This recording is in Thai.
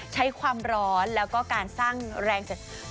ใช้ความร้อนแล้วก็การสร้างแรงจัด